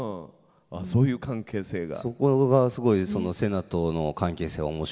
あっそういう関係性が。